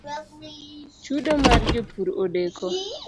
Chudo mar jopur odeko